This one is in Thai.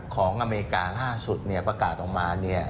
ของอเมริกาล่าสุดเนี่ยประกาศออกมาเนี่ย